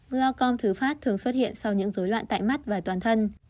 glaucom thứ phát thường xuất hiện sau những dối loạn tại mắt và toàn thân